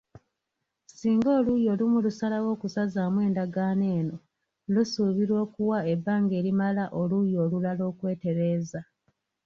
Singa oluuyi olumu lusalawo okusazaamu endagaano eno, lusuubirwa okuwa ebbanga erimala oluuyi olulala okwetereeza.